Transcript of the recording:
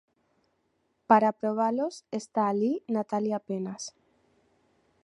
Para probalos está alí Natalia Penas...